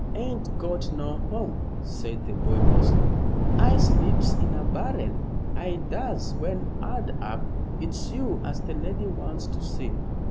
"Ain't got no home," said the boy, hoarsely. "I sleeps in a barrel, I does, when 'ard up. It's you as the lady wants to see."